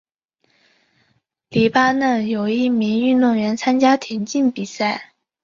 黎巴嫩有一名运动员参加田径比赛。